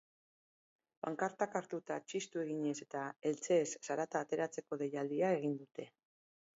Pankartak hartuta txistu eginez eta eltzeez zarata ateratzeko deialdia egin dute.